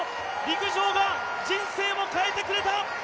陸上が人生を変えてくれた！